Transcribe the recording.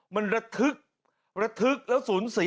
มันระทึกระทึกแล้วสูญเสีย